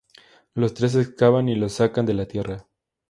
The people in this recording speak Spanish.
Los tres excavan y lo sacan de la tierra.